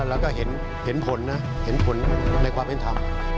แล้วก็เห็นผลนะเห็นผลในความเป็นธรรม